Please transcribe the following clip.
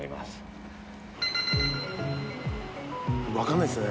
わからないですね。